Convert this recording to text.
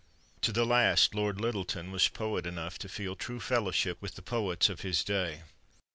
To the last Lord Lyttelton was poet enough to feel true fellowship with poets of his day.